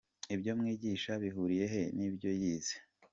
Ibyo mwigisha bihuriye he n’ibyo yize?.